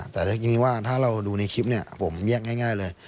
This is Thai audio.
แต่ทีนี้ว่าถ้าเราดูในคลิปเนี่ยผมเรียกง่ายเลย